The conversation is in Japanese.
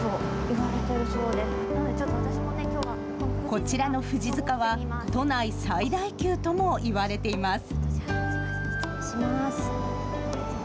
こちらの富士塚は都内最大級ともいわれています。